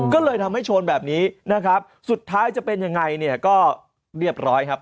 ก็เลยทำให้ชนแบบนี้นะครับสุดท้ายจะเป็นยังไงเนี่ยก็เรียบร้อยครับ